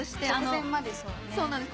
そうなんです。